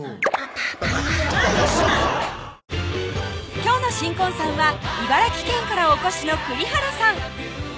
今日の新婚さんは茨城県からお越しの栗原さん